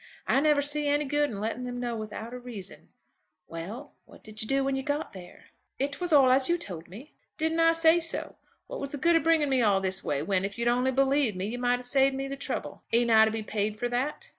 I never see any good in letting them know without a reason. Well; what did you do when you got there?" "It was all as you told me." "Didn't I say so? What was the good of bringing me all this way, when, if you'd only believed me, you might have saved me the trouble. Ain't I to be paid for that?"